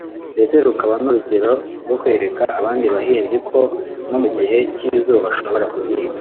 ndetse rukaba n’urugero rwo kwereka abandi bahinzi ko no mu gihe cy’izuba bashohora guhinga